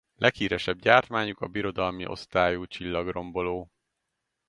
Leghíresebb gyártmányuk a Birodalmi-osztályú Csillagromboló.